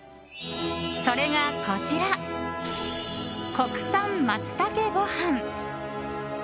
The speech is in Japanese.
それがこちら、国産松茸ごはん。